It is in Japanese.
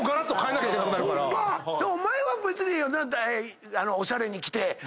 お前は別におしゃれにきて。